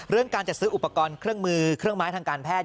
การจัดซื้ออุปกรณ์เครื่องมือเครื่องไม้ทางการแพทย์